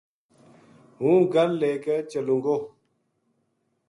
ہوں گل لے کے چلوں گو ‘‘